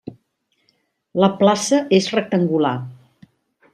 La plaça és rectangular.